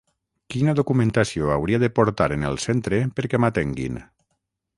Quina documentació hauria de portar en el centre perquè m'atenguin?